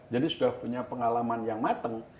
jadi sudah punya pengalaman yang mateng